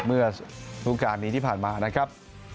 เมื่อรูปการณ์นี้ที่ผ่านมานะครับ